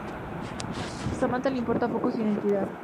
A Samantha le importa poco su identidad.